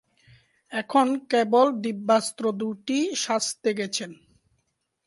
এখন কেবল দিব্যাস্ত্র দুটি সাজতে গেছেন।